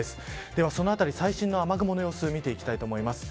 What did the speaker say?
では、そのあたり最新の雨雲の様子を見ていきます。